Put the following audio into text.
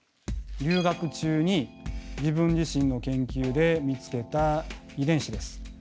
留学中に自分自身の研究で見つけた遺伝子です。